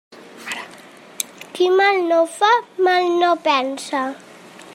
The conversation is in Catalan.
Qui mal no fa, mal no pensa.